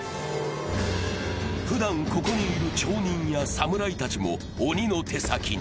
ふだんここにいる町人や侍たちも鬼の手先に。